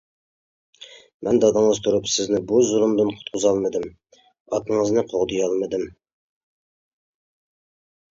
-مەن دادىڭىز تۇرۇپ، سىزنى بۇ زۇلۇمدىن قۇتقۇزالمىدىم، ئاكىڭىزنى قوغدىيالمىدىم.